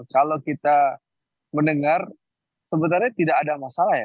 kalau kita mendengar sebenarnya tidak ada masalah ya